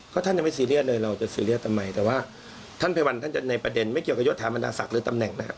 ก็ท่านยังไม่ซีเรียสเลยเราจะซีเรียสทำไมแต่ว่าท่านภัยวันท่านจะในประเด็นไม่เกี่ยวกับยศถามบรรดาศักดิ์หรือตำแหน่งนะครับ